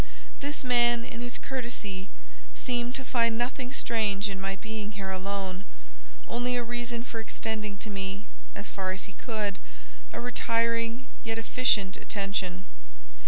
This man, in his courtesy, seemed to find nothing strange in my being here alone; only a reason for extending to me, as far as he could, a retiring, yet efficient attention.